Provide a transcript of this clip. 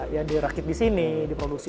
ya dirakit di sini diproduksi